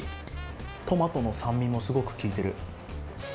トマトの酸味もすごくきいてる。